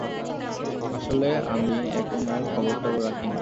আসলে আমি এখন আর খবর-টবর রাখি না।